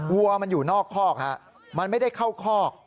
วัวมันอยู่นอกคอกฮะมันไม่ได้เข้าคอก